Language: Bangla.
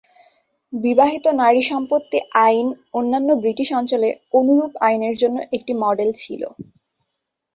বিবাহিত নারী সম্পত্তি আইন অন্যান্য ব্রিটিশ অঞ্চলে অনুরূপ আইনের জন্য একটি মডেল ছিল।